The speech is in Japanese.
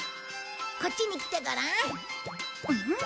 こっちに来てごらん。